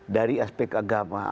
dari aspek agama